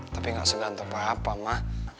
tapi gak usah ganteng papa ma